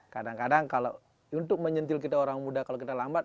kadang kadang kalau untuk menyentil kita orang muda kalau kita lambat